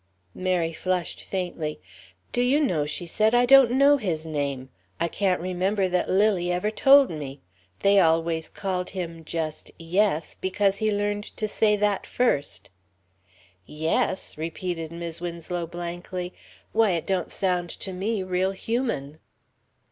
Mary flushed faintly. "Do you know," she said, "I don't know his name. I can't remember that Lily ever told me. They always called him just Yes, because he learned to say that first." "'Yes!'" repeated Mis' Winslow, blankly. "Why, it don't sound to me real human."